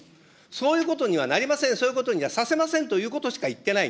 そういうことにはなりません、そういうことにはさせませんということしか言ってない。